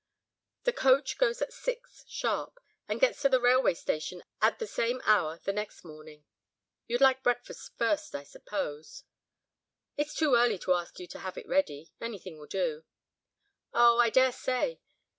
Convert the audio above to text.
"The coach goes at six, sharp; and gets to the railway station at the same hour the next morning. You'd like breakfast first, I suppose?" "It's too early to ask you to have it ready—anything will do." "Oh! I daresay.